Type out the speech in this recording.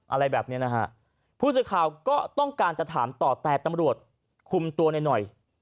อะไรแบบนี้นะฮะผู้สื่อข่าวก็ต้องการจะถามต่อแต่ตำรวจคุมตัวในหน่อย